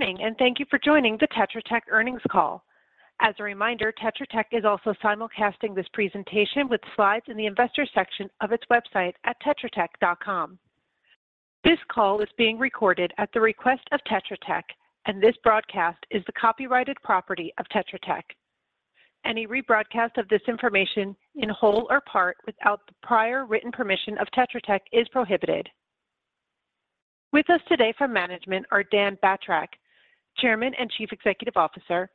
Good morning. Thank you for joining the Tetra Tech earnings call. As a reminder, Tetra Tech is also simulcasting this presentation with slides in the Investor section of its website at tetratech.com. This call is being recorded at the request of Tetra Tech, and this broadcast is the copyrighted property of Tetra Tech. Any rebroadcast of this information, in whole or part, without the prior written permission of Tetra Tech is prohibited. With us today from management are Dan Batrack, Chairman and Chief Executive Officer,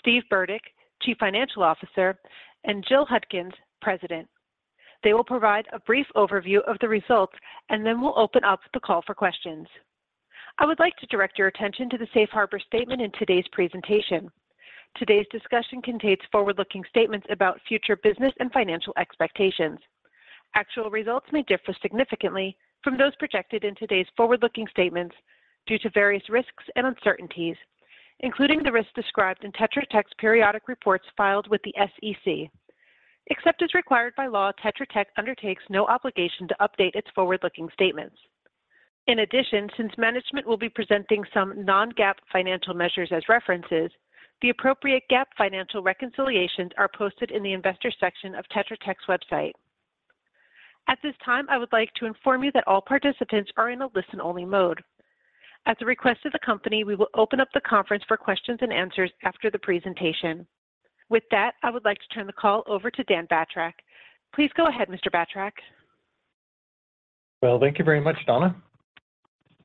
Steve Burdick, Chief Financial Officer, and Jill Hudkins, President. They will provide a brief overview of the results, and then we'll open up the call for questions. I would like to direct your attention to the Safe Harbor statement in today's presentation. Today's discussion contains forward-looking statements about future business and financial expectations. Actual results may differ significantly from those projected in today's forward-looking statements due to various risks and uncertainties, including the risks described in Tetra Tech's periodic reports filed with the SEC. Except as required by law, Tetra Tech undertakes no obligation to update its forward-looking statements. In addition, since management will be presenting some non-GAAP financial measures as references, the appropriate GAAP financial reconciliations are posted in the Investor section of Tetra Tech's website. At this time, I would like to inform you that all participants are in a listen-only mode. At the request of the company, we will open up the conference for questions and answers after the presentation. With that, I would like to turn the call over to Dan Batrack. Please go ahead, Mr. Batrack. Well, thank you very much, Donna,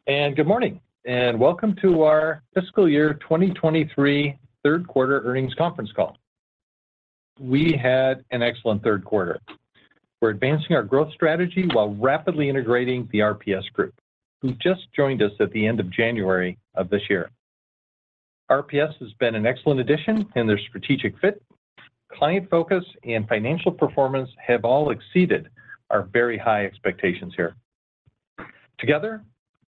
good morning, welcome to our fiscal year 2023 Q3 earnings conference call. We had an excellent Q3. We're advancing our growth strategy while rapidly integrating the RPS Group, who just joined us at the end of January of this year. RPS has been an excellent addition in their strategic fit. Client focus and financial performance have all exceeded our very high expectations here. Together,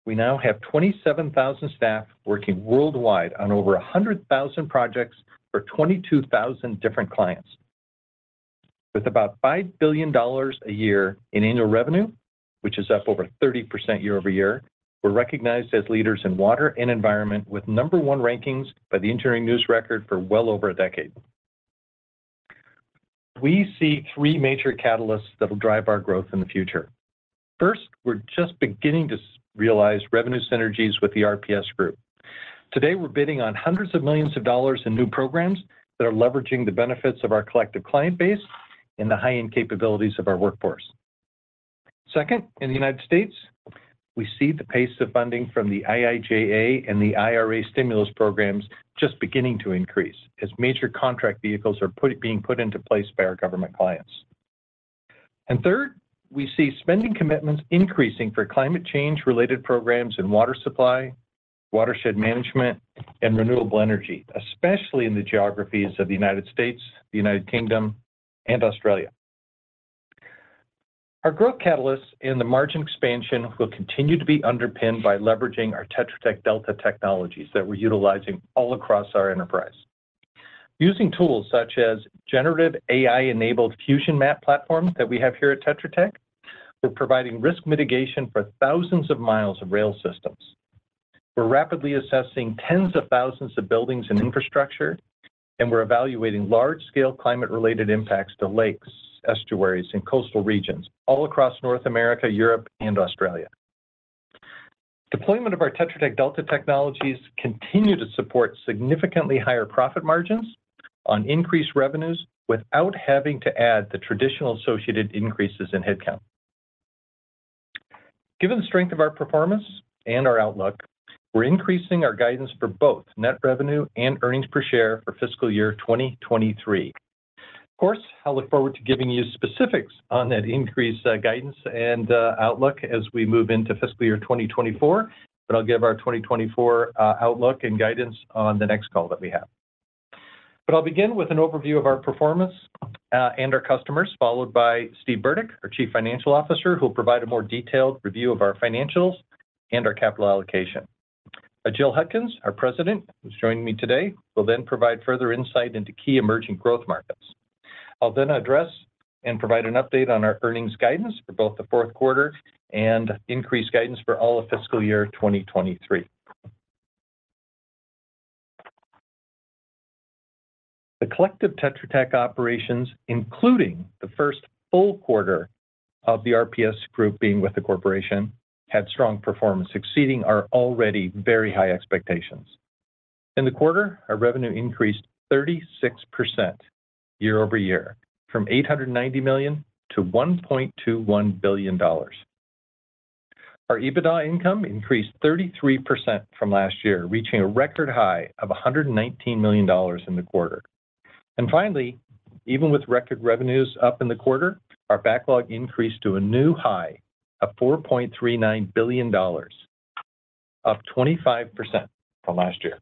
we now have 27,000 staff working worldwide on over 100,000 projects for 22,000 different clients. With about $5 billion a year in annual revenue, which is up over 30% year-over-year, we're recognized as leaders in water and environment, with number one rankings by the Engineering News-Record for well over a decade. We see three major catalysts that will drive our growth in the future. First, we're just beginning to realize revenue synergies with the RPS Group. Today, we're bidding on hundreds of millions of dollars in new programs that are leveraging the benefits of our collective client base and the high-end capabilities of our workforce. Second, in the United States, we see the pace of funding from the IIJA and the IRA stimulus programs just beginning to increase as major contract vehicles are being put into place by our government clients. Third, we see spending commitments increasing for climate change-related programs in water supply, watershed management, and renewable energy, especially in the geographies of the United States, the United Kingdom, and Australia. Our growth catalysts and the margin expansion will continue to be underpinned by leveraging our Tetra Tech Delta technologies that we're utilizing all across our enterprise. Using tools such as generative AI-enabled FusionMap platform that we have here at Tetra Tech, we're providing risk mitigation for thousands of miles of rail systems. We're rapidly assessing tens of thousands of buildings and infrastructure, and we're evaluating large-scale climate-related impacts to lakes, estuaries, and coastal regions all across North America, Europe, and Australia. Deployment of our Tetra Tech Delta technologies continue to support significantly higher profit margins on increased revenues without having to add the traditional associated increases in headcount. Given the strength of our performance and our outlook, we're increasing our guidance for both net revenue and earnings per share for fiscal year 2023. Of course, I look forward to giving you specifics on that increased guidance and outlook as we move into fiscal year 2024. I'll give our 2024 outlook and guidance on the next call that we have. I'll begin with an overview of our performance and our customers, followed by Steven M. Burdick, our Chief Financial Officer, who will provide a more detailed review of our financials and our capital allocation. Jill M. Hudkins, our President, who's joining me today, will provide further insight into key emerging growth markets. I'll address and provide an update on our earnings guidance for both the Q4 and increased guidance for all of fiscal year 2023. The collective Tetra Tech operations, including the first full quarter of the RPS Group being with the corporation, had strong performance, exceeding our already very high expectations. In the quarter, our revenue increased 36% year-over-year, from $890 million to $1.21 billion. Our EBITDA income increased 33% from last year, reaching a record high of $119 million in the quarter. Finally, even with record revenues up in the quarter, our backlog increased to a new high of $4.39 billion, up 25% from last year.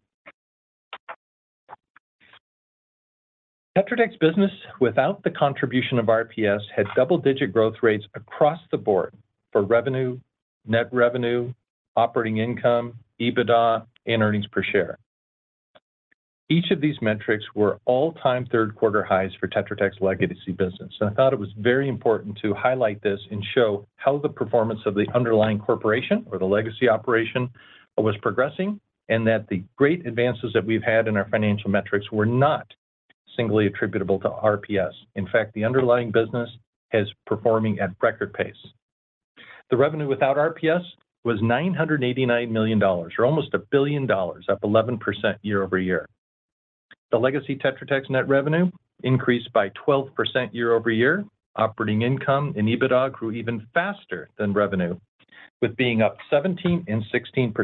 Tetra Tech's business, without the contribution of RPS, had double-digit growth rates across the board for revenue, net revenue, operating income, EBITDA, and earnings per share. Each of these metrics were all-time Q3 highs for Tetra Tech's legacy business i thought it was very important to highlight this and show how the performance of the underlying corporation or the legacy operation was progressing, and that the great advances that we've had in our financial metrics were not singly attributable to RPS in fact, the underlying business is performing at record pace. The revenue without RPS was $989 million, or almost $1 billion, up 11% year-over-year. The legacy Tetra Tech's net revenue increased by 12% year-over-year. Operating income and EBITDA grew even faster than revenue, with being up 17% and 16%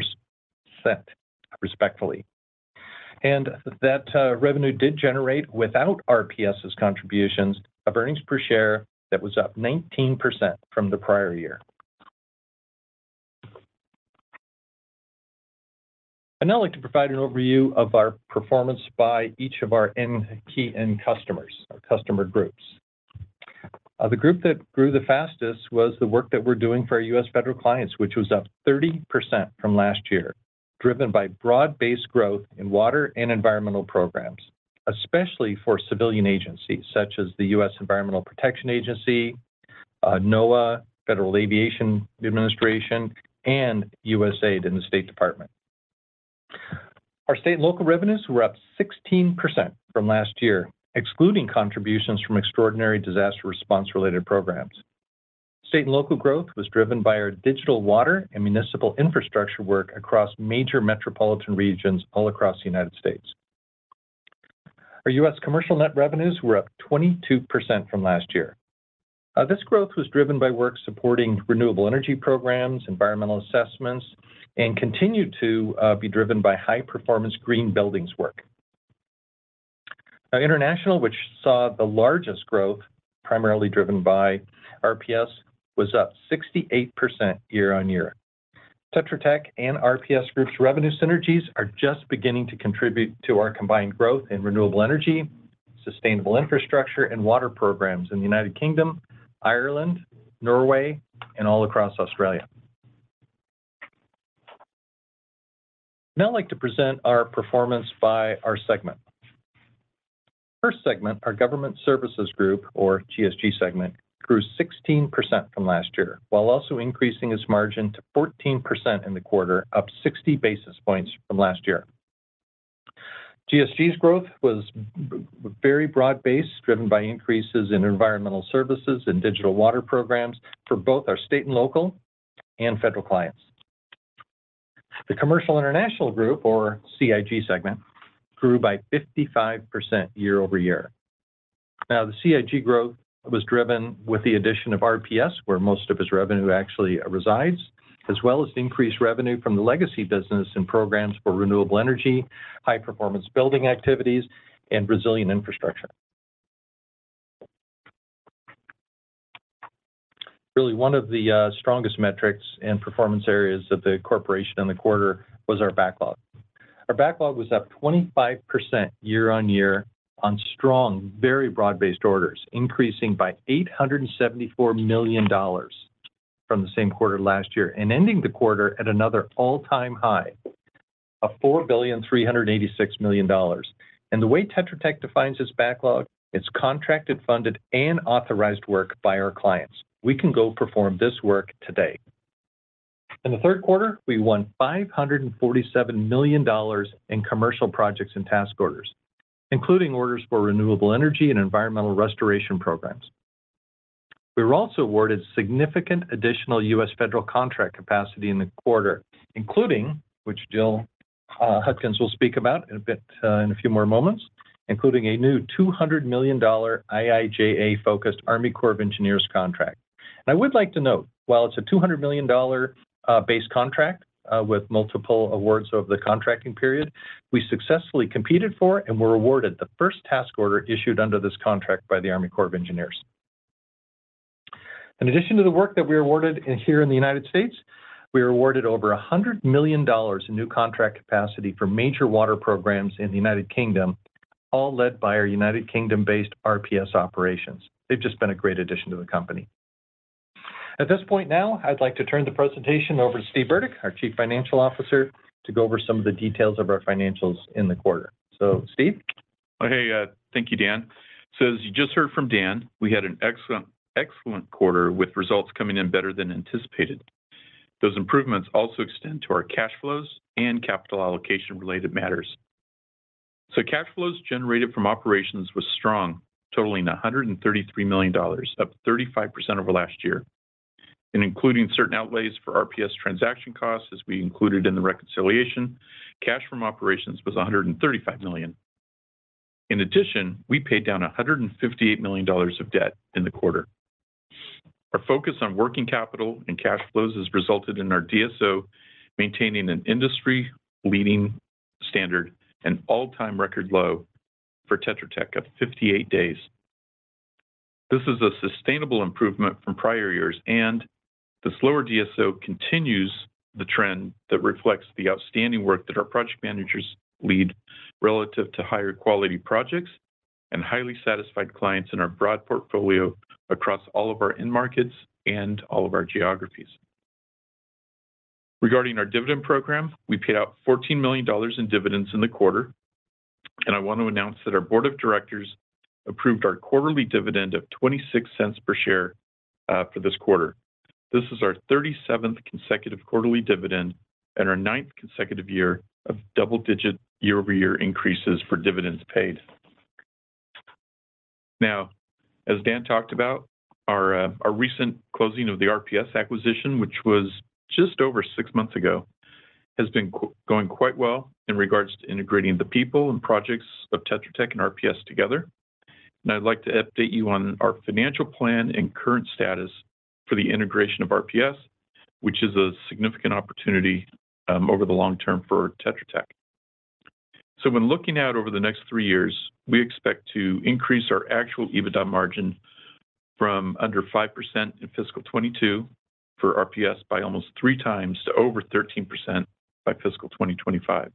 respectfully. That revenue did generate, without RPS's contributions, of earnings per share, that was up 19% from the prior year. I'd now like to provide an overview of our performance by each of our end, key end customers or customer groups. The group that grew the fastest was the work that we're doing for our U.S. federal clients, which was up 30% from last year, driven by broad-based growth in water and environmental programs, especially for civilian agencies such as the U.S. Environmental Protection Agency, NOAA, Federal Aviation Administration, and USAID, and the State Department. Our state and local revenues were up 16% from last year, excluding contributions from extraordinary disaster response-related programs. State and local growth was driven by our digital water and municipal infrastructure work across major metropolitan regions all across the United States. Our U.S. commercial net revenues were up 22% from last year. This growth was driven by work supporting renewable energy programs, environmental assessments, and continued to be driven by high-performance green buildings work. International, which saw the largest growth, primarily driven by RPS, was up 68% year-on-year. Tetra Tech and RPS Group's revenue synergies are just beginning to contribute to our combined growth in renewable energy, sustainable infrastructure, and water programs in the United Kingdom, Ireland, Norway, and all across Australia. I'd now like to present our performance by our segment. First segment, our Government Services Group, or GSG segment, grew 16% from last year, while also increasing its margin to 14% in the quarter, up 60 basis points from last year. GSG's growth was very broad-based, driven by increases in environmental services and digital water programs for both our state and local and federal clients. The Commercial International Group, or CIG segment, grew by 55% year-over-year. The CIG growth was driven with the addition of RPS, where most of its revenue actually resides, as well as increased revenue from the legacy business and programs for renewable energy, high-performance building activities, and resilient infrastructure. Really, one of the strongest metrics and performance areas of the corporation in the quarter was our backlog. Our backlog was up 25% year-over-year on strong, very broad-based orders, increasing by $874 million from the same quarter last year, and ending the quarter at another all-time high of $4.386 billion. The way Tetra Tech defines its backlog, it's contracted, funded, and authorized work by our clients. We can go perform this work today. In the Q3, we won $547 million in commercial projects and task orders, including orders for renewable energy and environmental restoration programs. We were also awarded significant additional U.S. federal contract capacity in the quarter, including, which Jill Hudkins will speak about in a bit, in a few more moments, including a new $200 million IIJA-focused Army Corps of Engineers contract. I would like to note, while it's a $200 million, base contract, with multiple awards over the contracting period, we successfully competed for and were awarded the first task order issued under this contract by the Army Corps of Engineers. In addition to the work that we were awarded here in the United States, we were awarded over $100 million in new contract capacity for major water programs in the United Kingdom, all led by our United Kingdom-based RPS operations they've just been a great addition to the company. At this point now, I'd like to turn the presentation over to Steve Burdick, our Chief Financial Officer, to go over some of the details of our financials in the quarter. Steve? Hey, thank you, Dan. As you just heard from Dan, we had an excellent, excellent quarter with results coming in better than anticipated. Those improvements also extend to our cash flows and capital allocation related matters. Cash flows generated from operations was strong, totaling $133 million, up 35% over last year. Including certain outlays for RPS transaction costs, as we included in the reconciliation, cash from operations was $135 million. In addition, we paid down $158 million of debt in the quarter. Our focus on working capital and cash flows has resulted in our DSO maintaining an industry-leading standard and all-time record low for Tetra Tech of 58 days. This is a sustainable improvement from prior years. The slower DSO continues the trend that reflects the outstanding work that our project managers lead relative to higher quality projects and highly satisfied clients in our broad portfolio across all of our end markets and all of our geographies. Regarding our dividend program, we paid out $14 million in dividends in the quarter, and I want to announce that our board of directors approved our quarterly dividend of $0.26 per share for this quarter. This is our 37th consecutive quarterly dividend and our 9th consecutive year of double-digit year-over-year increases for dividends paid. As Dan talked about, our recent closing of the RPS acquisition, which was just over six months ago, has been going quite well in regards to integrating the people and projects of Tetra Tech and RPS together. I'd like to update you on our financial plan and current status for the integration of RPS, which is a significant opportunity over the long term for Tetra Tech. When looking out over the next three years, we expect to increase our actual EBITDA margin from under 5% in fiscal 2022 for RPS by almost three times to over 13% by fiscal 2025.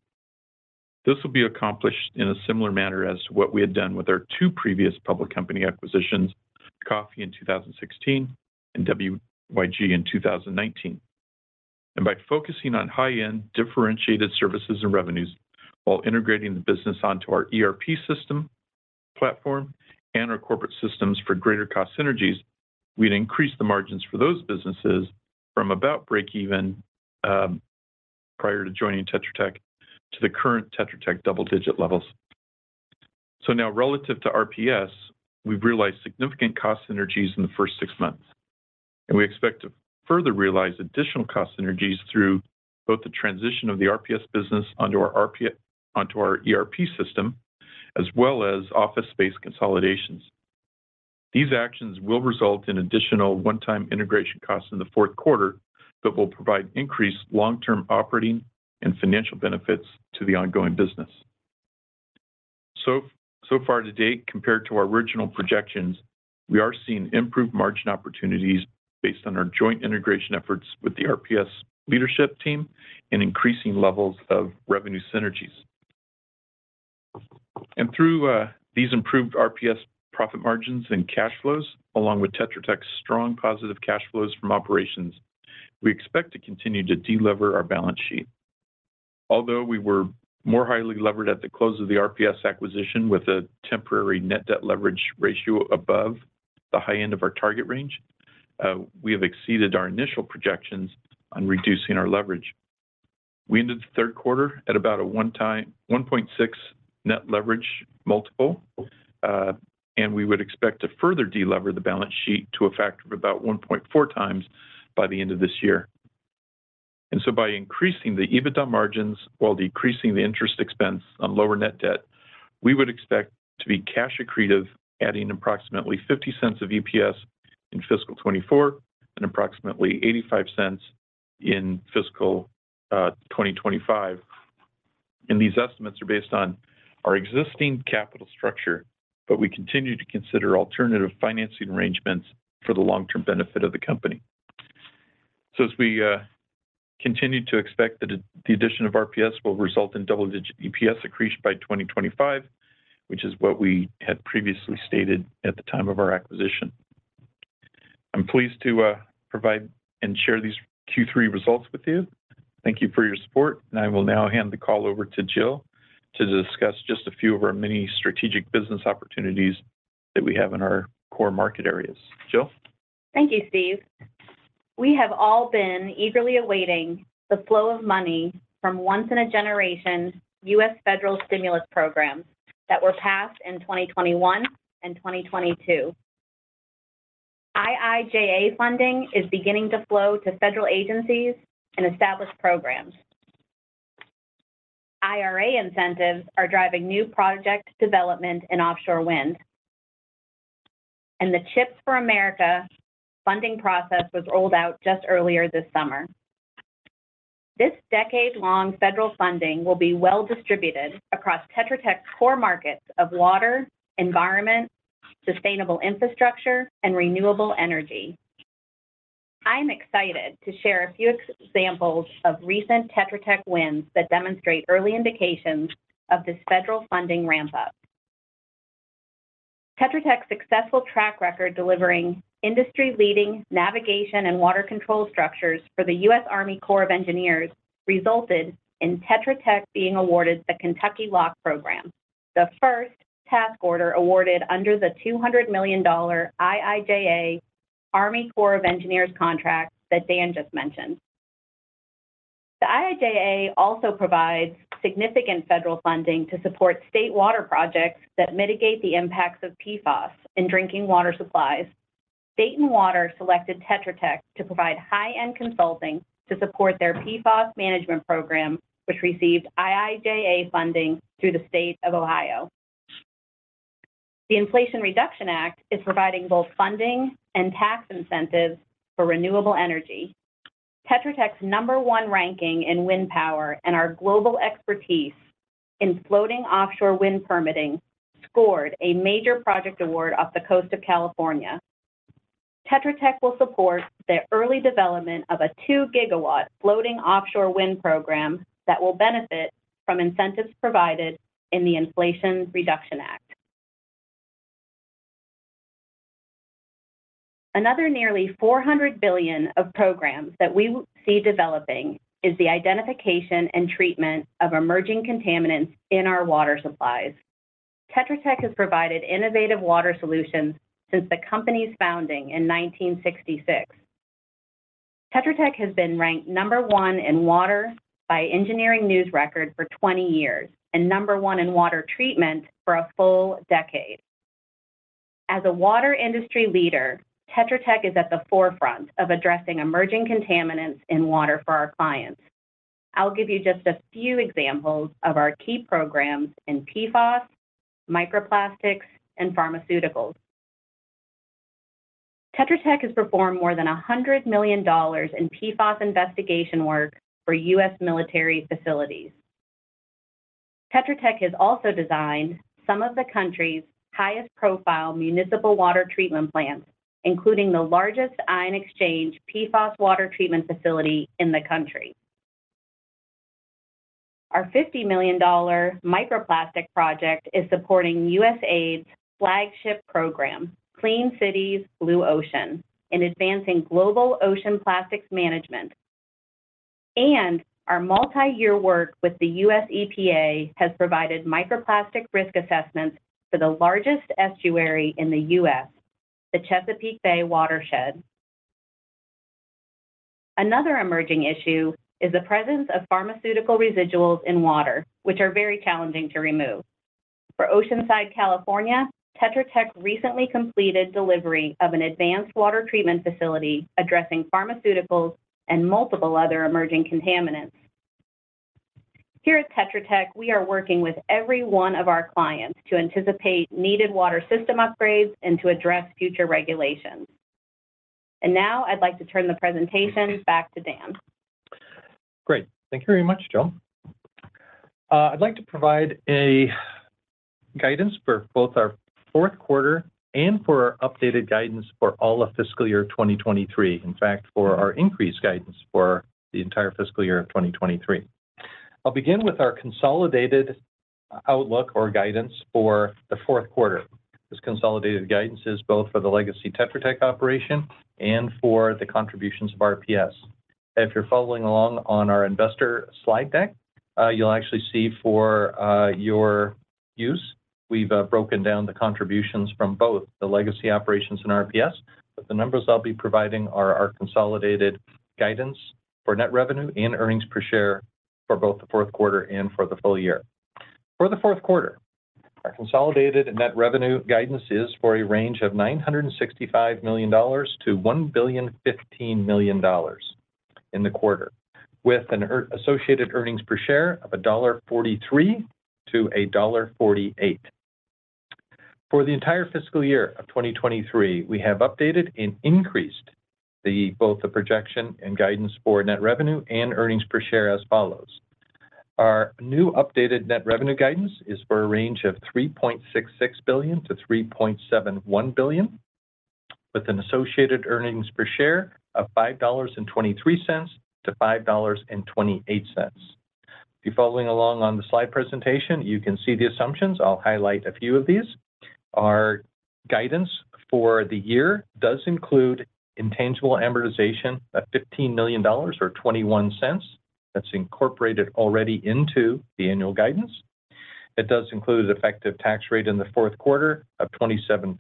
This will be accomplished in a similar manner as what we had done with our two previous public company acquisitions, Coffey in 2016 and WYG in 2019. By focusing on high-end differentiated services and revenues while integrating the business onto our ERP system platform and our corporate systems for greater cost synergies, we'd increase the margins for those businesses from about breakeven prior to joining Tetra Tech, to the current Tetra Tech double-digit levels. Now, relative to RPS, we've realized significant cost synergies in the first six months, and we expect to further realize additional cost synergies through both the transition of the RPS business onto our ERP system, as well as office space consolidations. These actions will result in additional one-time integration costs in the Q4, but will provide increased long-term operating and financial benefits to the ongoing business. Far to date, compared to our original projections, we are seeing improved margin opportunities based on our joint integration efforts with the RPS leadership team and increasing levels of revenue synergies. Through these improved RPS profit margins and cash flows, along with Tetra Tech's strong positive cash flows from operations, we expect to continue to delever our balance sheet. Although we were more highly levered at the close of the RPS acquisition, with a temporary net debt leverage ratio above the high end of our target range, we have exceeded our initial projections on reducing our leverage. We ended the Q3 at about a 1.6 net leverage multiple, and we would expect to further delever the balance sheet to a factor of about 1.4x by the end of this year. By increasing the EBITDA margins while decreasing the interest expense on lower net debt, we would expect to be cash accretive, adding approximately $0.50 of EPS in fiscal 2024 and approximately $0.85 in fiscal 2025. These estimates are based on our existing capital structure, but we continue to consider alternative financing arrangements for the long-term benefit of the company. As we continue to expect that the addition of RPS will result in double-digit EPS accretion by 2025, which is what we had previously stated at the time of our acquisition. I'm pleased to provide and share these Q3 results with you. Thank you for your support, and I will now hand the call over to Jill to discuss just a few of our many strategic business opportunities that we have in our core market areas. Jill? Thank you, Steve. We have all been eagerly awaiting the flow of money from once-in-a-generation U.S. federal stimulus programs that were passed in 2021 and 2022. IIJA funding is beginning to flow to federal agencies and established programs. IRA incentives are driving new project development and offshore wind, and the CHIPS for America funding process was rolled out just earlier this summer. This decade-long federal funding will be well distributed across Tetra Tech's core markets of water, environment, sustainable infrastructure, and renewable energy. I'm excited to share a few examples of recent Tetra Tech wins that demonstrate early indications of this federal funding ramp-up. Tetra Tech's successful track record, delivering industry-leading navigation and water control structures for the U.S. Army Corps of Engineers, resulted in Tetra Tech being awarded the Kentucky Lock program, the first task order awarded under the $200 million IIJA Army Corps of Engineers contract that Dan just mentioned. The IIJA also provides significant federal funding to support state water projects that mitigate the impacts of PFAS in drinking water supplies. Dayton Water selected Tetra Tech to provide high-end consulting to support their PFAS management program, which received IIJA funding through the state of Ohio. The Inflation Reduction Act is providing both funding and tax incentives for renewable energy. Tetra Tech's number one ranking in wind power and our global expertise in floating offshore wind permitting scored a major project award off the coast of California. Tetra Tech will support the early development of a 2 GW floating offshore wind program that will benefit from incentives provided in the Inflation Reduction Act. Another nearly $400 billion of programs that we will see developing is the identification and treatment of emerging contaminants in our water supplies. Tetra Tech has provided innovative water solutions since the company's founding in 1966. Tetra Tech has been ranked number one in water by Engineering News-Record for 20 years, and number one in water treatment for 10 years. As a water industry leader, Tetra Tech is at the forefront of addressing emerging contaminants in water for our clients. I'll give you just a few examples of our key programs in PFAS, microplastics, and pharmaceuticals. Tetra Tech has performed more than $100 million in PFAS investigation work for U.S. military facilities. Tetra Tech has also designed some of the country's highest-profile municipal water treatment plants, including the largest ion-exchange PFAS water treatment facility in the country. Our $50 million microplastic project is supporting USAID's flagship program, Clean Cities, Blue Ocean, in advancing global ocean plastics management. Our multi-year work with the U.S. EPA has provided microplastic risk assessments for the largest estuary in the U.S., the Chesapeake Bay Watershed. Another emerging issue is the presence of pharmaceutical residuals in water, which are very challenging to remove. For Oceanside, California, Tetra Tech recently completed delivery of an advanced water treatment facility addressing pharmaceuticals and multiple other emerging contaminants. Here at Tetra Tech, we are working with every one of our clients to anticipate needed water system upgrades and to address future regulations. Now I'd like to turn the presentation back to Dan. Great. Thank you very much, Jill. I'd like to provide a guidance for both our Q4 and for our updated guidance for all of fiscal year 2023 in fact, for our increased guidance for the entire fiscal year of 2023. I'll begin with our consolidated outlook or guidance for the Q4. This consolidated guidance is both for the legacy Tetra Tech operation and for the contributions of RPS. If you're following along on our investor slide deck, you'll actually see for your use, we've broken down the contributions from both the legacy operations and RPS. The numbers I'll be providing are our consolidated guidance for net revenue and earnings per share for both the Q4 and for the full year. For the Q4, our consolidated net revenue guidance is for a range of $965 to 1,015 million in the quarter, with an associated earnings per share of $1.43-$1.48. For the entire fiscal year of 2023, we have updated and increased both the projection and guidance for net revenue and earnings per share as follows: Our new updated net revenue guidance is for a range of $3.66 to 3.71 billion, with an associated earnings per share of $5.23-$5.28. If you're following along on the slide presentation, you can see the assumptions. I'll highlight a few of these. Our guidance for the year does include intangible amortization of $15 million, or $0.21. That's incorporated already into the annual guidance. It does include an effective tax rate in the Q4 of 27%,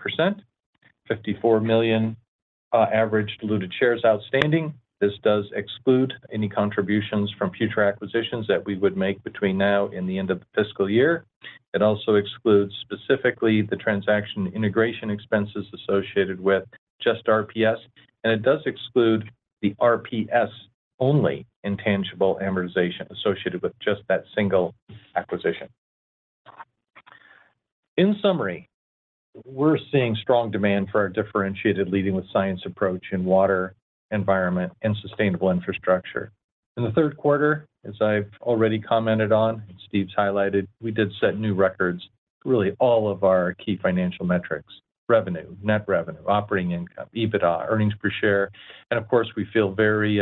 $54 million average diluted shares outstanding. This does exclude any contributions from future acquisitions that we would make between now and the end of the fiscal year. It also excludes, specifically, the transaction integration expenses associated with just RPS, and it does exclude the RPS-only intangible amortization associated with just that single acquisition. In summary, we're seeing strong demand for our differentiated Leading with Science approach in water, environment, and sustainable infrastructure. In the Q3, as I've already commented on, Steve's highlighted, we did set new records, really all of our key financial metrics: revenue, net revenue, operating income, EBITDA, earnings per share. Of course, we feel very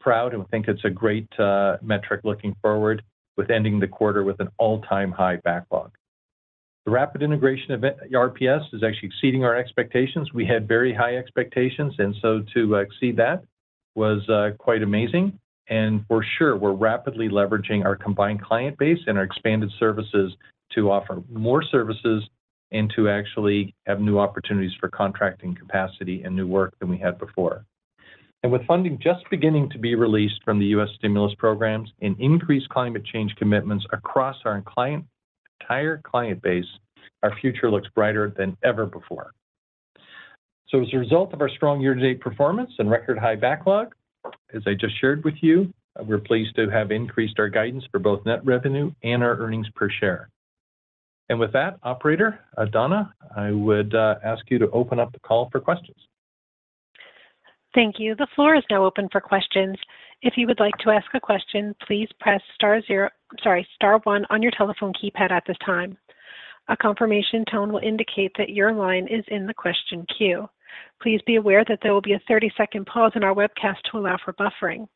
proud and think it's a great metric looking forward with ending the quarter with an all-time high backlog. The rapid integration of RPS is actually exceeding our expectations we had very high expectations, and so to exceed that was quite amazing. For sure, we're rapidly leveraging our combined client base and our expanded services to offer more services and to actually have new opportunities for contracting capacity and new work than we had before. With funding just beginning to be released from the U.S. stimulus programs and increased climate change commitments across our client, entire client base, our future looks brighter than ever before. As a result of our strong year-to-date performance and record high backlog, as I just shared with you, we're pleased to have increased our guidance for both net revenue and our earnings per share. With that, operator, Donna, I would ask you to open up the call for questions. Thank you. The floor is now open for questions. If you would like to ask a question, please press star zero... Sorry, star one on your telephone keypad at this time. A confirmation tone will indicate that your line is in the question queue. Please be aware that there will be a 30-second pause in our webcast to allow for buffering. ...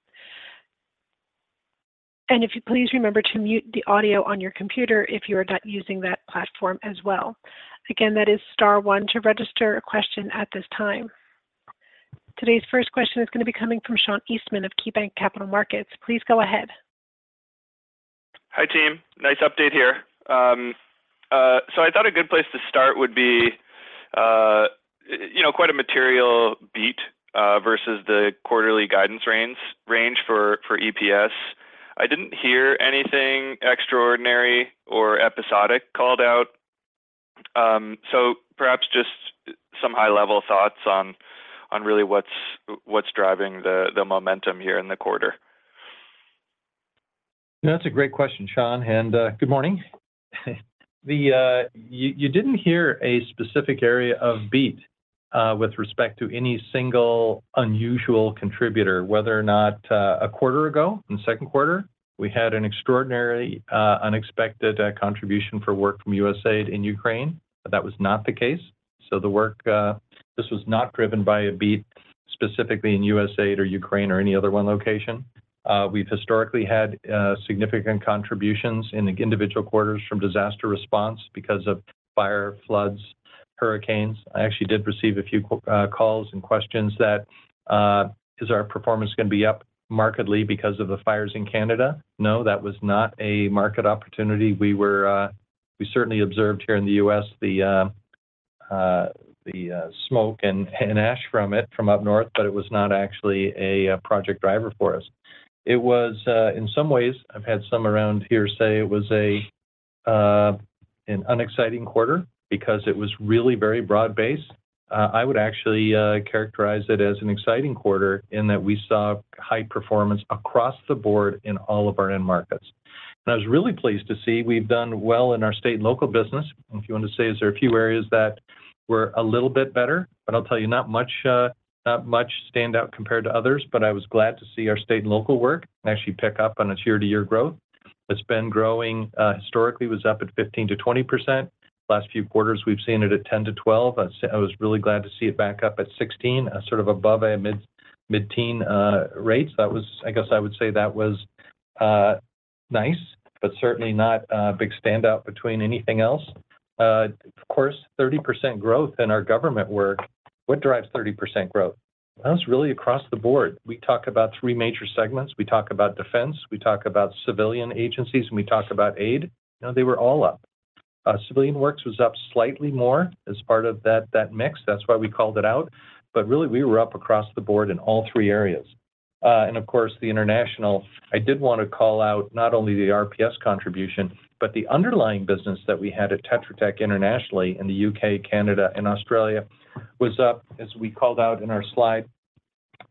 If you please remember to mute the audio on your computer if you are not using that platform as well. Again, that is star one to register a question at this time. Today's first question is going to be coming from Sean Eastman of KeyBanc Capital Markets. Please go ahead. Hi, team. Nice update here. I thought a good place to start would be, you know, quite a material beat versus the quarterly guidance range, range for, for EPS. I didn't hear anything extraordinary or episodic called out. Perhaps just some high-level thoughts on, on really what's, what's driving the, the momentum here in the quarter. That's a great question, Sean, and good morning. The, you, you didn't hear a specific area of beat with respect to any single unusual contributor whether or not, a quarter ago, in the Q2, we had an extraordinary, unexpected, contribution for work from USAID in Ukraine. The work, this was not driven by a beat specifically in USAID or Ukraine or any other one location. We've historically had significant contributions in individual quarters from disaster response because of fire, floods, hurricanes. I actually did receive a few calls and questions that is our performance going to be up markedly because of the fires in Canada? No, that was not a market opportunity we were, we certainly observed here in the U.S., the smoke and ash from it from up north, but it was not actually a project driver for us. It was, in some ways, I've had some around here say it was an unexciting quarter because it was really very broad-based. I would actually characterize it as an exciting quarter in that we saw high performance across the board in all of our end markets. I was really pleased to see we've done well in our state and local business. If you want to say, is there a few areas that were a little bit better, but I'll tell you, not much, not much standout compared to others, but I was glad to see our state and local work actually pick up on a year-to-year growth. It's been growing, historically, was up at 15%-20%. Last few quarters, we've seen it at 10%-%12. I was really glad to see it back up at 16%, a sort of above a mid-teen rates. I guess I would say that was nice, but certainly not a big standout between anything else. Of course, 30% growth in our government work. What drives 30% growth? That's really across the board. We talk about three major segments we talk about defense, we talk about civilian agencies, and we talk about aid. They were all up. Civilian works was up slightly more as part of that mix that's why we called it out. Really, we were up across the board in all three areas. Of course, the international, I did want to call out not only the RPS contribution, but the underlying business that we had at Tetra Tech internationally in the UK, Canada, and Australia was up, as we called out in our slide.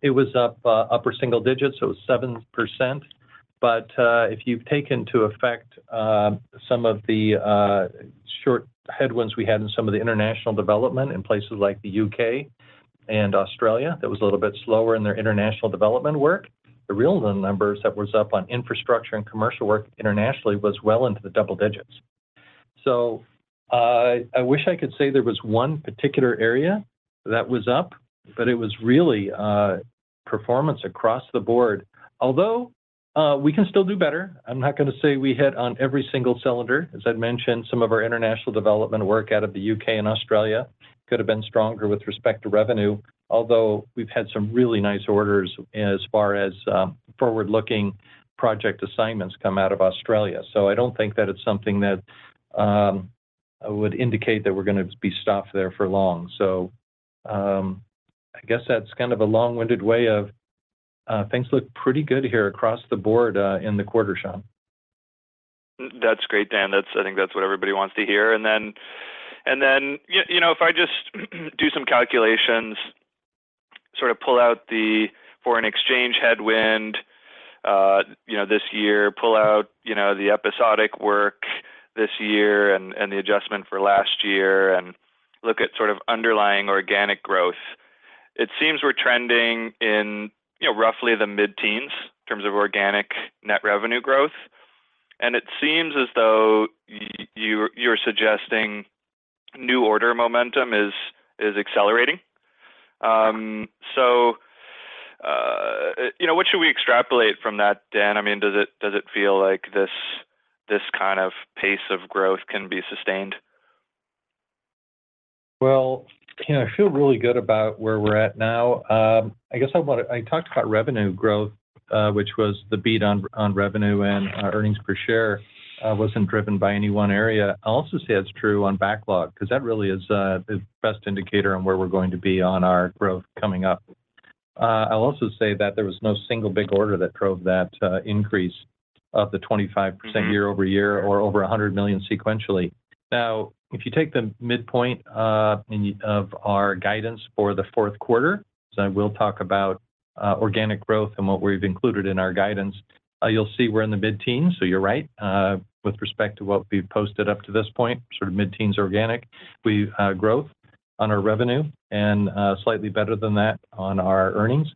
It was up, upper single digits, so it was 7%. If you've taken to effect, some of the short headwinds we had in some of the international development in places like the UK and Australia, that was a little bit slower in their international development work. The real numbers that was up on infrastructure and commercial work internationally was well into the double digits. I wish I could say there was one particular area that was up, but it was really performance across the board. Although, we can still do better. I'm not going to say we hit on every single cylinder. As I'd mentioned, some of our international development work out of the UK and Australia could have been stronger with respect to revenue, although we've had some really nice orders as far as forward-looking project assignments come out of Australia. I don't think that it's something that would indicate that we're going to be stopped there for long. I guess that's kind of a long-winded way of things look pretty good here across the board in the quarter, Sean. That's great, Dan. That's, I think that's what everybody wants to hear. Then, you know, if I just do some calculations, sort of pull out the foreign exchange headwind, you know, this year, pull out, you know, the episodic work this year and the adjustment for last year and look at sort of underlying organic growth. It seems we're trending in, you know, roughly the mid-teens in terms of organic net revenue growth, and it seems as though you're suggesting new order momentum is accelerating. You know, what should we extrapolate from that, Dan? I mean, does it feel like this kind of pace of growth can be sustained? Well, you know, I feel really good about where we're at now. I talked about revenue growth, which was the beat on, on revenue and, earnings per share, wasn't driven by any one area i also say that's true on backlog, because that really is the best indicator on where we're going to be on our growth coming up. I'll also say that there was no single big order that drove that increase of the 25% year-over-year or over $100 million sequentially. If you take the midpoint of our guidance for the Q4, I will talk about organic growth and what we've included in our guidance. You'll see we're in the mid-teen, so you're right, with respect to what we've posted up to this point, sort of mid-teens organic. We growth on our revenue and slightly better than that on our earnings.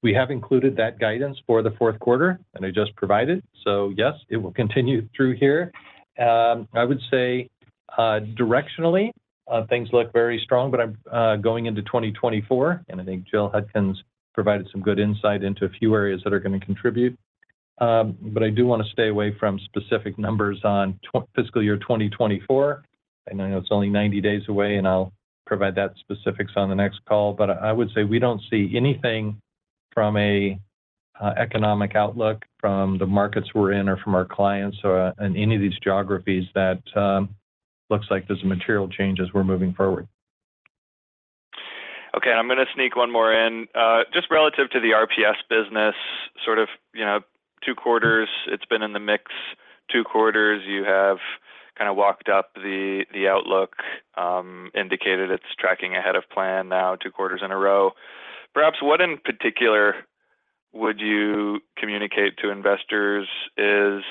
We have included that guidance for the Q4, and I just provided, so yes, it will continue through here. I would say. Directionally, things look very strong, but I'm going into 2024, and I think Jill Hudkins provided some good insight into a few areas that are gonna contribute. I do want to stay away from specific numbers on fiscal year 2024. I know it's only 90 days away, and I'll provide that specifics on the next call. I would say we don't see anything from a economic outlook, from the markets we're in, or from our clients or in any of these geographies that looks like there's a material change as we're moving forward. Okay, I'm gonna sneak one more in. Just relative to the RPS business, sort of, you know, two quarters, it's been in the mix. Two quarters, you have kind of walked up the, the outlook, indicated it's tracking ahead of plan now, two quarters in a row. Perhaps, what in particular would you communicate to investors is,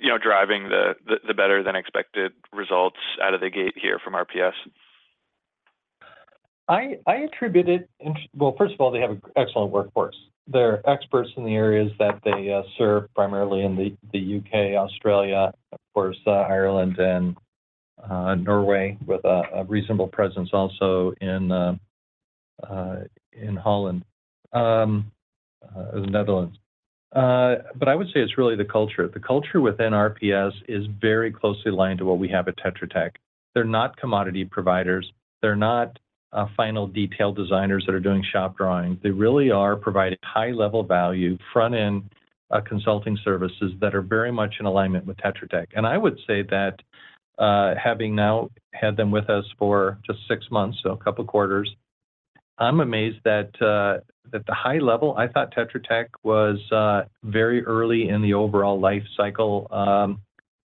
you know, driving the, the better-than-expected results out of the gate here from RPS? I attribute it well, first of all, they have an excellent workforce. They're experts in the areas that they serve, primarily in the UK, Australia, of course, Ireland and Norway, with a reasonable presence also in Holland, the Netherlands. I would say it's really the culture. The culture within RPS is very closely aligned to what we have at Tetra Tech. They're not commodity providers, they're not final detail designers that are doing shop drawings. They really are providing high-level value, front-end, consulting services that are very much in alignment with Tetra Tech. I would say that, having now had them with us for just six months, so two quarters. I'm amazed that the high level... I thought Tetra Tech was very early in the overall life cycle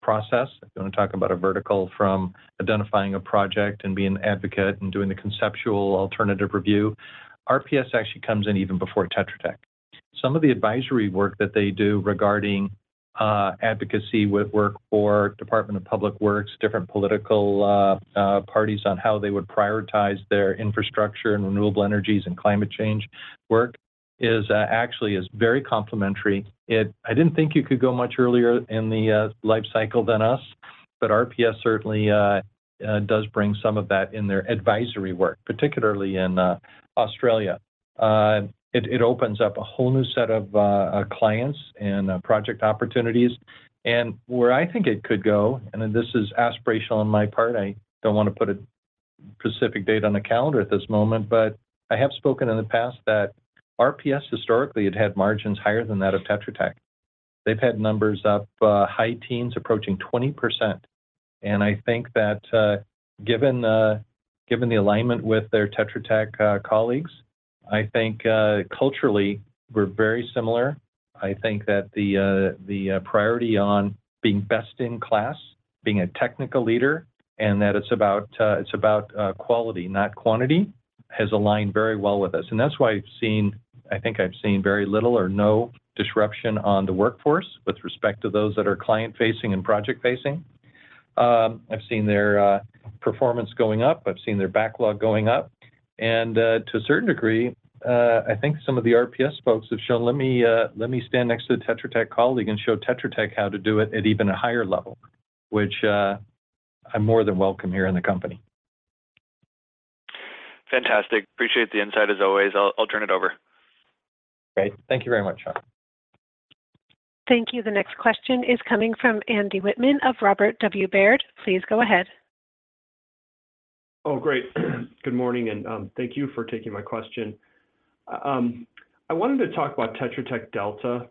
process. If you want to talk about a vertical from identifying a project and being an advocate and doing the conceptual alternative review, RPS actually comes in even before Tetra Tech. Some of the advisory work that they do regarding advocacy with work for Department of Public Works, different political parties on how they would prioritize their infrastructure and renewable energies and climate change work is actually very complementary. I didn't think you could go much earlier in the life cycle than us, but RPS certainly does bring some of that in their advisory work, particularly in Australia. It opens up a whole new set of clients and project opportunities. Where I think it could go, and this is aspirational on my part, I don't want to put a specific date on the calendar at this moment. I have spoken in the past that RPS historically had had margins higher than that of Tetra Tech. They've had numbers up, high teens, approaching 20%. I think that, given, given the alignment with their Tetra Tech colleagues, I think, culturally, we're very similar. I think that the, the priority on being best-in-class, being a technical leader, and that it's about, it's about, quality, not quantity, has aligned very well with us that's why I've seen very little or no disruption on the workforce with respect to those that are client-facing and project-facing. I've seen their performance going up, I've seen their backlog going up, and to a certain degree, I think some of the RPS folks have shown, "Let me, let me stand next to the Tetra Tech colleague and show Tetra Tech how to do it at even a higher level," which, I'm more than welcome here in the company. Fantastic. Appreciate the insight, as always. I'll, I'll turn it over. Great. Thank you very much, Sean. Thank you. The next question is coming from Andrew Wittmann of Robert W. Baird. Please go ahead. Oh, great. Good morning, thank you for taking my question. I wanted to talk about Tetra Tech Delta.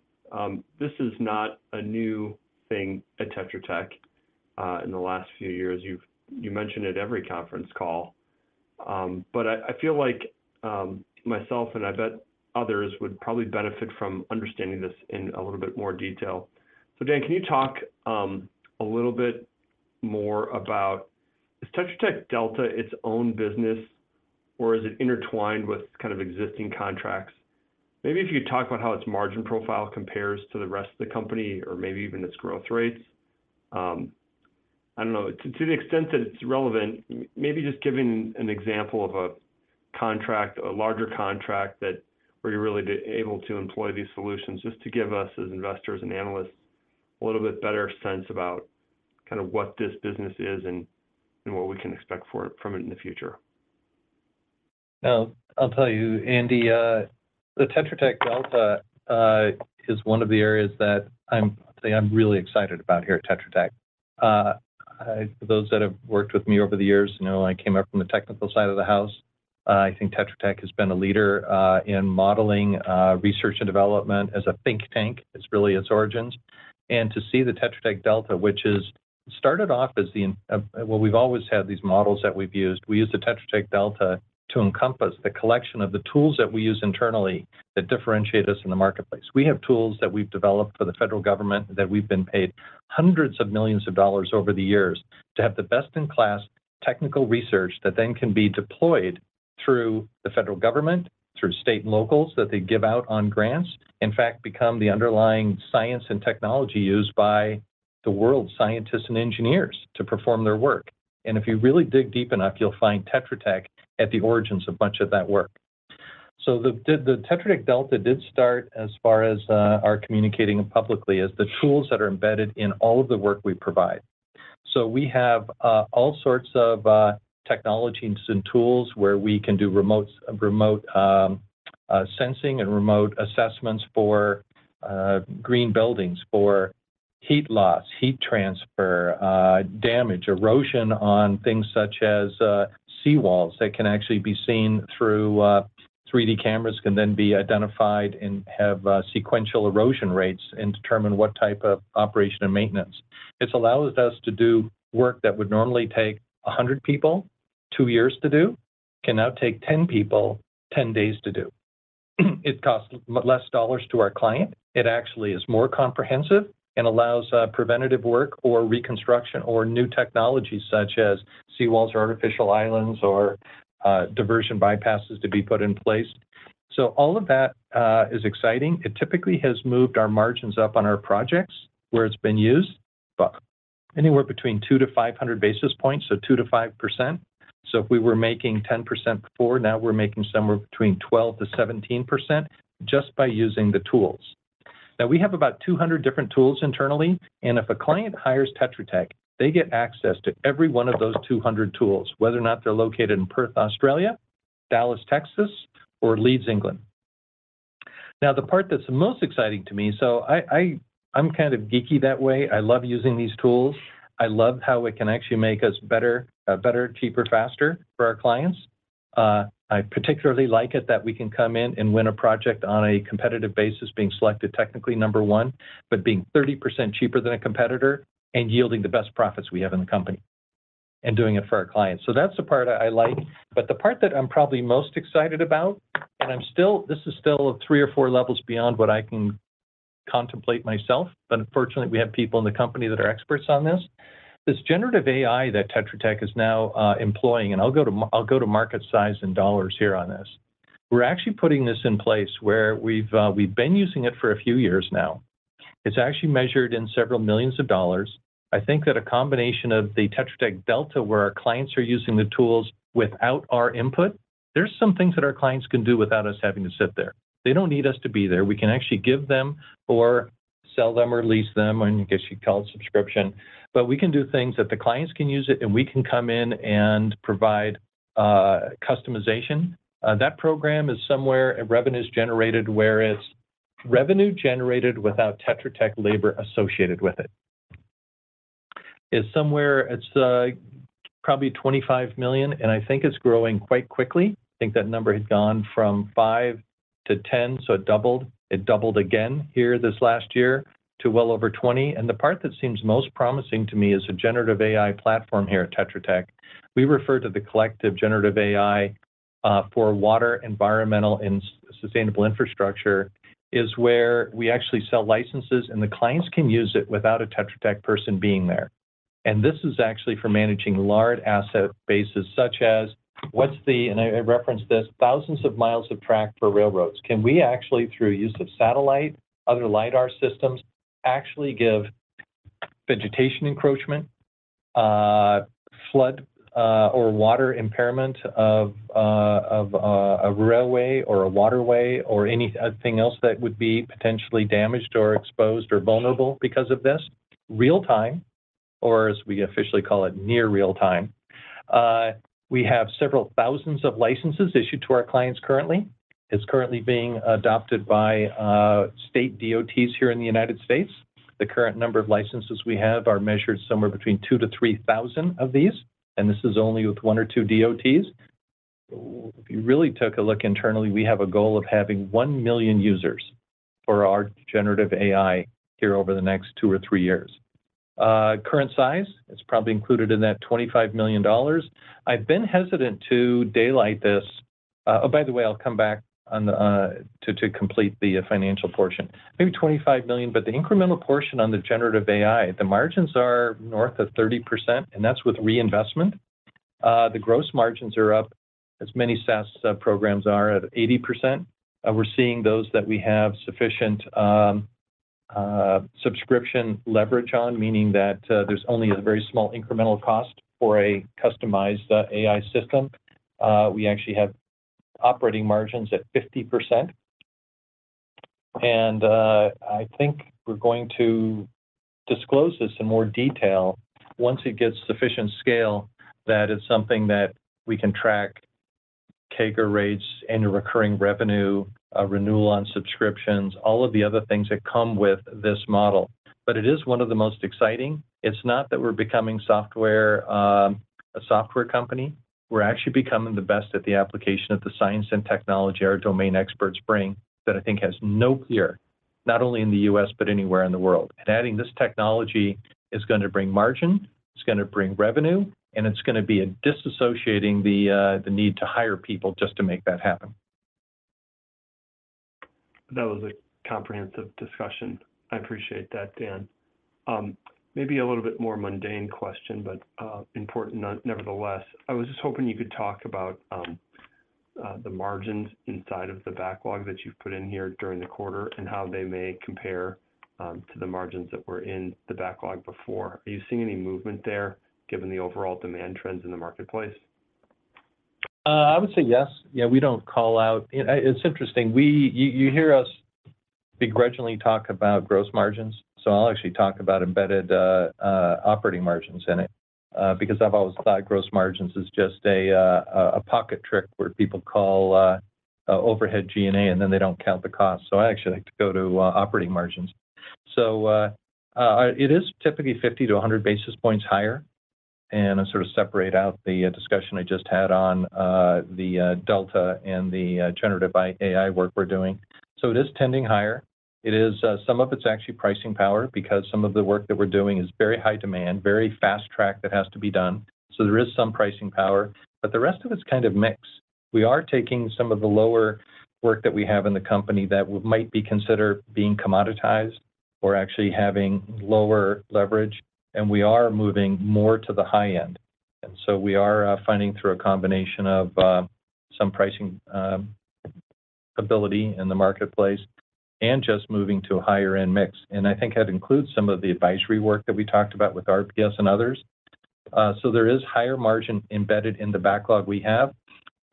This is not a new thing at Tetra Tech. In the last few years, you've, you mentioned it every conference call. I, I feel like, myself, and I bet others would probably benefit from understanding this in a little bit more detail. Dan, can you talk a little bit more about, is Tetra Tech Delta its own business, or is it intertwined with kind of existing contracts? Maybe if you talk about how its margin profile compares to the rest of the company, or maybe even its growth rates? I don't know. To the extent that it's relevant, maybe just giving an example of a contract, a larger contract, that where you're really able to employ these solutions, just to give us, as investors and analysts, a little bit better sense about kind of what this business is and, and what we can expect for, from it in the future. Well, I'll tell you, Andy, the Tetra Tech Delta is one of the areas that I'm, I'm really excited about here at Tetra Tech. Those that have worked with me over the years know I came up from the technical side of the house. I think Tetra Tech has been a leader in modeling, research and development as a think tank. It's really its origins. To see the Tetra Tech Delta, which is started off as the, well, we've always had these models that we've used we used the Tetra Tech Delta to encompass the collection of the tools that we use internally that differentiate us in the marketplace we have tools that we've developed for the federal government, that we've been paid hundreds of millions over the years to have the best-in-class technical research that then can be deployed through the federal government, through state and locals, that they give out on grants. In fact, become the underlying science and technology used by the world's scientists and engineers to perform their work. If you really dig deep enough, you'll find Tetra Tech at the origins of much of that work. The, the, the Tetra Tech Delta did start as far as our communicating publicly, as the tools that are embedded in all of the work we provide. We have all sorts of technologies and tools where we can do remotes, remote sensing and remote assessments for green buildings, for heat loss, heat transfer, damage, erosion on things such as sea walls that can actually be seen through 3D cameras, can then be identified and have sequential erosion rates and determine what type of operation and maintenance. This allows us to do work that would normally take 100 people two years to do, can now take 10 people 10 days to do. It costs much less dollars to our client. It actually is more comprehensive and allows preventative work or reconstruction or new technologies such as sea walls or artificial islands or diversion bypasses to be put in place. All of that is exciting. It typically has moved our margins up on our projects where it's been used, but anywhere between 200-500 basis points, so 2%-5%. If we were making 10% before, now we're making somewhere between 12%-17% just by using the tools. We have about 200 different tools internally, and if a client hires Tetra Tech, they get access to every one of those 200 tools, whether or not they're located in Perth, Australia, Dallas, Texas, or Leeds, England. The part that's most exciting to me, I'm kind of geeky that way. I love using these tools. I love how it can actually make us better, better, cheaper, faster for our clients. I particularly like it that we can come in and win a project on a competitive basis, being selected technically number one, but being 30% cheaper than a competitor and yielding the best profits we have in the company, and doing it for our clients that's the part I like. The part that I'm probably most excited about, and this is still three or four levels beyond what I can contemplate myself, but fortunately, we have people in the company that are experts on this. This generative AI that Tetra Tech is now employing, and I'll go to market size and dollars here on this. We're actually putting this in place where we've been using it for a few years now. It's actually measured in several millions of dollars. I think that a combination of the Tetra Tech Delta, where our clients are using the tools without our input, there's some things that our clients can do without us having to sit there. They don't need us to be there. We can actually give them or sell them, or lease them, I guess you'd call it subscription, but we can do things that the clients can use it, and we can come in and provide customization. That program is somewhere in revenues generated, where it's revenue generated without Tetra Tech labor associated with it. It's somewhere... It's probably $25 million, and I think it's growing quite quickly. I think that number has gone from five to 10, so it doubled. It doubled again here this last year to well over 20 the part that seems most promising to me is the generative AI platform here at Tetra Tech. We refer to the collective generative AI for water, environmental, and sustainable infrastructure, is where we actually sell licenses, and the clients can use it without a Tetra Tech person being there. This is actually for managing large asset bases, such as what's the... I referenced this, thousand of miles of track for railroads. Can we actually, through use of satellite, other LiDAR systems, actually give vegetation encroachment- -flood, or water impairment of a railway or a waterway, or anything else that would be potentially damaged or exposed or vulnerable because of this? Real time, or as we officially call it, near real time. We have several thousands of licenses issued to our clients currently. It's currently being adopted by state DOTs here in the United States. The current number of licenses we have are measured somewhere between 2,000-3,000 of these, and this is only with one or two DOTs. If you really took a look internally, we have a goal of having 1 million users for our generative AI here over the next two or three years. Current size, it's probably included in that $25 million. I've been hesitant to daylight this. Oh, by the way, I'll come back on the to complete the financial portion. Maybe $25 million, but the incremental portion on the generative AI, the margins are north of 30%, and that's with reinvestment. The gross margins are up, as many SaaS programs are, at 80%. We're seeing those that we have sufficient subscription leverage on, meaning that there's only a very small incremental cost for a customized AI system. We actually have operating margins at 50%, and I think we're going to disclose this in more detail once it gets sufficient scale that is something that we can track CAGR rates and recurring revenue, renewal on subscriptions, all of the other things that come with this model. It is one of the most exciting. It's not that we're becoming software, a software company. We're actually becoming the best at the application of the science and technology our domain experts bring that I think has no peer, not only in the U.S., but anywhere in the world adding this technology is going to bring margin, it's going to bring revenue, and it's going to be a disassociating the need to hire people just to make that happen. That was a comprehensive discussion. I appreciate that, Dan. Maybe a little bit more mundane question, but important nevertheless. I was just hoping you could talk about the margins inside of the backlog that you've put in here during the quarter and how they may compare to the margins that were in the backlog before. Are you seeing any movement there, given the overall demand trends in the marketplace? I would say yes. Yeah, we don't call out. You know, it's interesting, you, you hear us [inaudible] talk about gross margins. I'll actually talk about embedded operating margins in it because I've always thought gross margins is just a pocket trick where people call overhead G&A, and then they don't count the cost i actually like to go to operating margins. It is typically 50 to 100 basis points higher, and I sort of separate out the discussion I just had on the Delta and the generative AI work we're doing. It is tending higher. It is some of it's actually pricing power because some of the work that we're doing is very high demand, very fast track that has to be done. There is some pricing power, but the rest of it's kind of mixed. We are taking some of the lower work that we have in the company that might be considered being commoditized or actually having lower leverage, and we are moving more to the high end. We are funding through a combination of some pricing ability in the marketplace and just moving to a higher end mix. I think that includes some of the advisory work that we talked about with RPS and others. There is higher margin embedded in the backlog we have,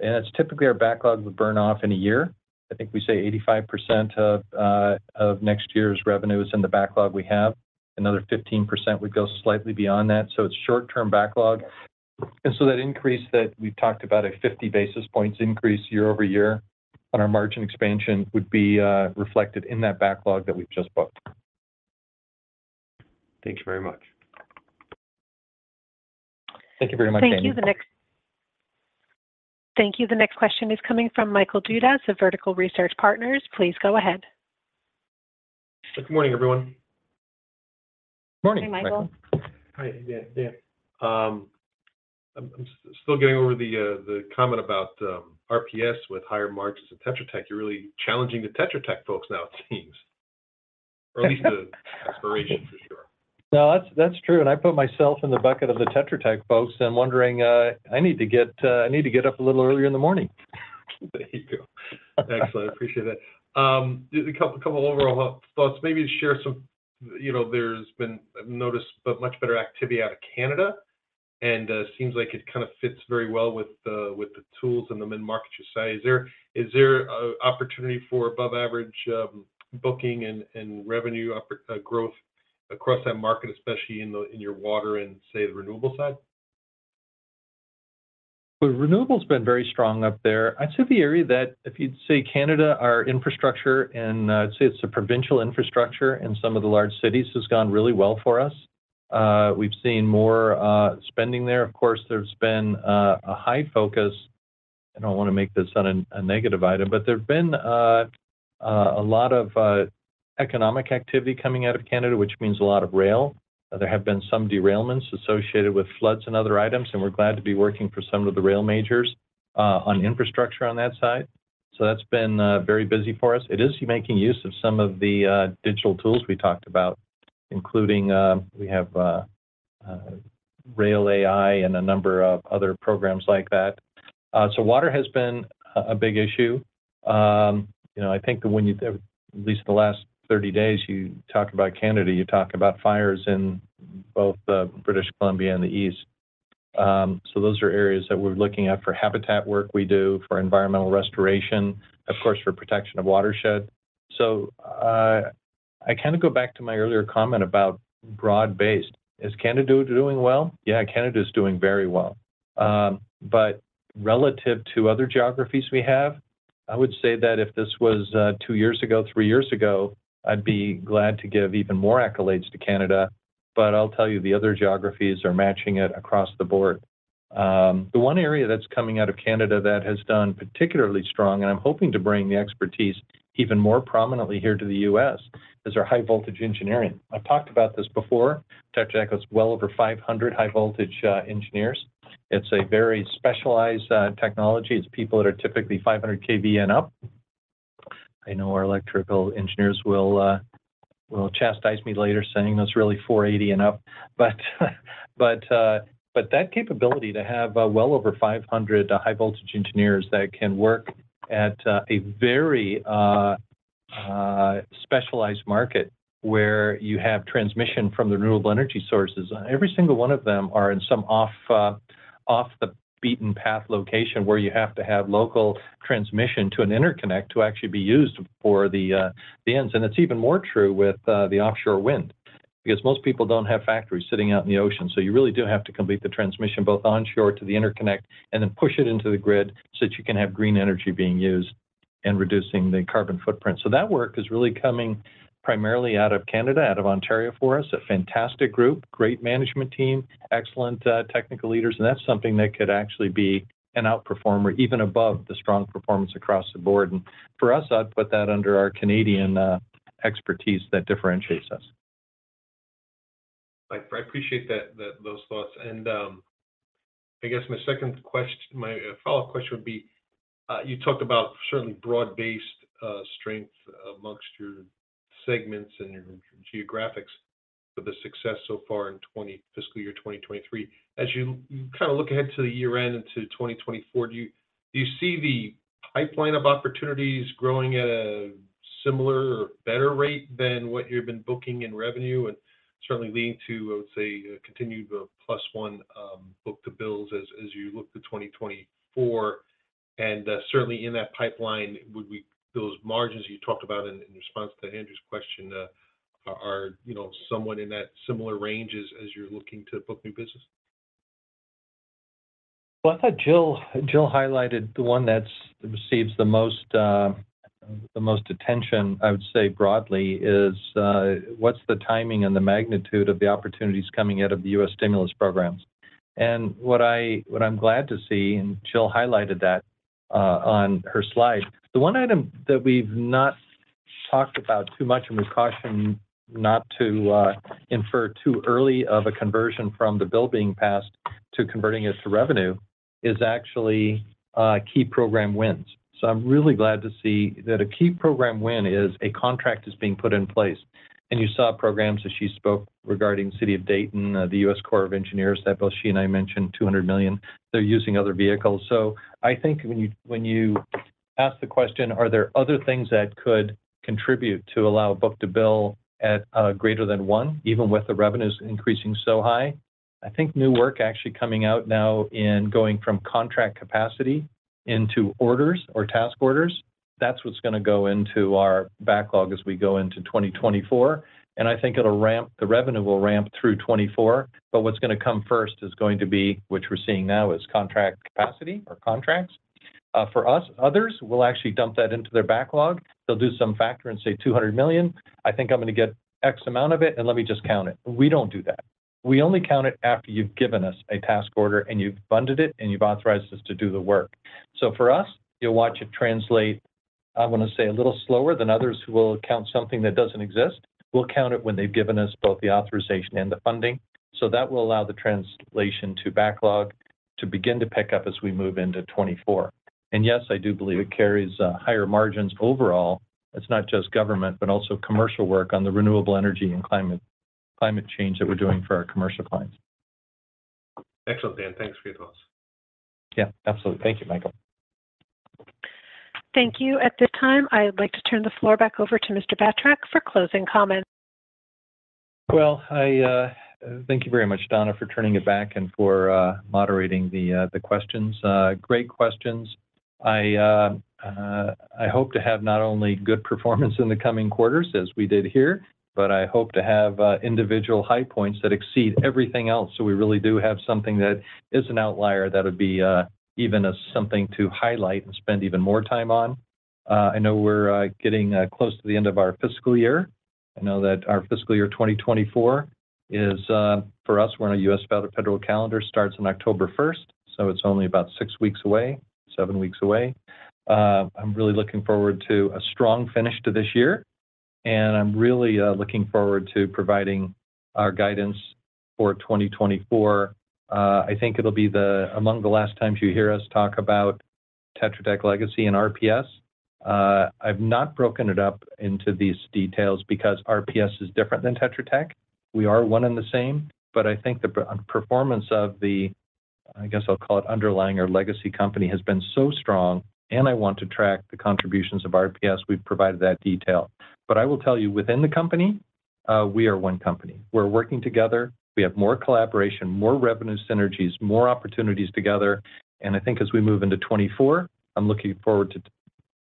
and it's typically our backlog would burn off in a year. I think we say 85% of next year's revenue is in the backlog we have. Another 15% would go slightly beyond that, so it's short-term backlog. That increase that we've talked about, a 50 basis points increase year-over-year on our margin expansion, would be reflected in that backlog that we've just booked. -Thank you very much. Thank you very much, Dan. Thank you. Thank you. The next question is coming from Michael Dudas of Vertical Research Partners. Please go ahead. Good morning, everyone. Morning, Michael. Hi, Michael. Hi, Dan. I'm still getting over the comment about RPS with higher margins at Tetra Tech. You're really challenging the Tetra Tech folks now, it seems, or at least the aspiration, for sure. No, that's, that's true, and I put myself in the bucket of the Tetra Tech folks. I'm wondering, I need to get, I need to get up a little earlier in the morning. There you go. Excellent. I appreciate that. A couple, couple of overall thoughts maybe share, you know, there's been, I've noticed a much better activity out of Canada, and seems like it kind of fits very well with the tools and the mid-market you say. Is there, is there opportunity for above average booking and revenue growth across that market, especially in your water and say, the renewable side? Well, renewable's been very strong up there. I'd say the area that if you'd say Canada, our infrastructure, and, I'd say it's the provincial infrastructure in some of the large cities, has gone really well for us. We've seen more spending there of course, there's been a high focus. I don't want to make this sound a negative item, but there have been a lot of economic activity coming out of Canada, which means a lot of rail. There have been some derailments associated with floods and other items, and we're glad to be working for some of the rail majors on infrastructure on that side. That's been very busy for us it is making use of some of the digital tools we talked about, including we have Rail AI and a number of other programs like that. Water has been a big issue. You know, I think that when you, at least the last 30 days, you talk about Canada, you talk about fires in both British Columbia and the East. Those are areas that we're looking at for habitat work we do, for environmental restoration, of course, for protection of watersheds. I kind of go back to my earlier comment about broad-based. Is Canada doing well? Yeah, Canada is doing very well. Relative to other geographies we have, I would say that if this was two years ago, three years ago, I'd be glad to give even more accolades to Canada. I'll tell you, the other geographies are matching it across the board. The one area that's coming out of Canada that has done particularly strong, and I'm hoping to bring the expertise even more prominently here to the U.S., is our high voltage engineering. I've talked about this before. Tetra Tech has well over 500 high voltage engineers. It's a very specialized technology it's people that are typically 500 kV and up. I know our electrical engineers will chastise me later, saying that's really 480 kV and up. That capability to have well over 500 high voltage engineers that can work at a very specialized market where you have transmission from the renewable energy sources every single one of them are in some off, off-the-beaten-path location, where you have to have local transmission to an interconnect to actually be used for the ends it's even more true with the offshore wind. Because most people don't have factories sitting out in the ocean, you really do have to complete the transmission, both onshore to the interconnect, and then push it into the grid, so that you can have green energy being used and reducing the carbon footprint that work is really coming primarily out of Canada, out of Ontario for us a fantastic group, great management team, excellent technical leaders, and that's something that could actually be an outperformer, even above the strong performance across the board. For us, I'd put that under our Canadian expertise that differentiates us. I, I appreciate that, that, those thoughts. I guess my second my follow-up question would be, you talked about certainly broad-based strength amongst your segments and your geographics for the success so far in fiscal year 2023. As you, you kind of look ahead to the year-end into 2024, do you, do you see the pipeline of opportunities growing at a similar or better rate than what you've been booking in revenue, and certainly leading to, I would say, a continued +1 book-to-bill as, as you look to 2024. Certainly in that pipeline, would those margins you talked about in, in response to Andrew's question, are, you know, somewhat in that similar ranges as you're looking to book new business? Well, I thought Jill, Jill highlighted the one that's receives the most, the most attention, I would say broadly, is what's the timing and the magnitude of the opportunities coming out of the U.S. stimulus programs? What I, what I'm glad to see, and Jill highlighted that on her slide. The one item that we've not talked about too much, and we caution not to infer too early of a conversion from the bill being passed to converting it to revenue, is actually key program wins. I'm really glad to see that a key program win is a contract is being put in place. You saw programs that she spoke regarding City of Dayton, the U.S. Corps of Engineers, that both she and I mentioned $200 million they're using other vehicles. I think when you, when you ask the question: Are there other things that could contribute to allow book-to-bill at greater than one, even with the revenues increasing so high? I think new work actually coming out now in going from contract capacity into orders or task orders, that's what's gonna go into our backlog as we go into 2024, and I think the revenue will ramp through 2024. What's gonna come first is going to be, which we're seeing now, is contract capacity or contracts. For us, others will actually dump that into their backlog. They'll do some factor and say, "$200 million, I think I'm going to get X amount of it, and let me just count it." We don't do that. We only count it after you've given us a task order, and you've funded it, and you've authorized us to do the work. For us, you'll watch it translate, I want to say, a little slower than others who will count something that doesn't exist. We'll count it when they've given us both the authorization and the funding. That will allow the translation to backlog to begin to pick up as we move into 2024. Yes, I do believe it carries higher margins overall. It's not just government, but also commercial work on the renewable energy and climate, climate change that we're doing for our commercial clients. Excellent, Dan. Thanks for your thoughts. Yeah, absolutely. Thank you, Michael. Thank you. At this time, I would like to turn the floor back over to Mr. Batrak for closing comments. I thank you very much, Donna, for turning it back and for moderating the questions. Great questions. I hope to have not only good performance in the coming quarters as we did here, but I hope to have individual high points that exceed everything else we really do have something that is an outlier, that would be even as something to highlight and spend even more time on. I know we're getting close to the end of our fiscal year. I know that our fiscal year 2024 is for us, we're on a U.S. federal calendar, starts on October 1st, it's only about six weeks away, seven weeks away. I'm really looking forward to a strong finish to this year, and I'm really looking forward to providing our guidance for 2024. I think it'll be among the last times you hear us talk about Tetra Tech Legacy and RPS. I've not broken it up into these details because RPS is different than Tetra Tech. We are one and the same, but I think the performance of the, I guess I'll call it underlying our legacy company, has been so strong, and I want to track the contributions of RPS we've provided that detail. I will tell you, within the company, we are one company. We're working together, we have more collaboration, more revenue synergies, more opportunities together, I think as we move into 2024, I'm looking forward to,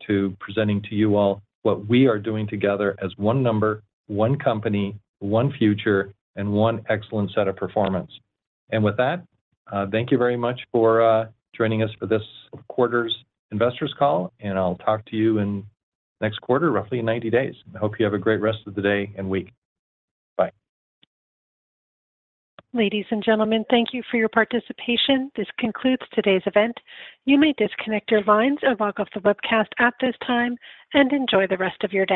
to presenting to you all what we are doing together as one number, one company, one future, and one excellent set of performance. With that, thank you very much for joining us for this quarter's investors call, and I'll talk to you in next quarter, roughly in 90 days. I hope you have a great rest of the day and week. Bye. Ladies and gentlemen, thank you for your participation. This concludes today's event. You may disconnect your lines or log off the webcast at this time and enjoy the rest of your day.